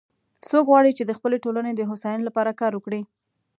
څوک غواړي چې د خپلې ټولنې د هوساینی لپاره کار وکړي